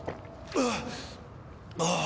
ああ。